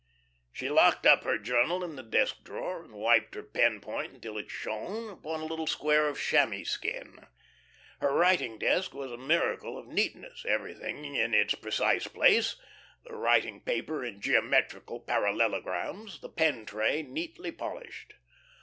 She locked up her journal in the desk drawer, and wiped her pen point until it shone, upon a little square of chamois skin. Her writing desk was a miracle of neatness, everything in its precise place, the writing paper in geometrical parallelograms, the pen tray neatly polished.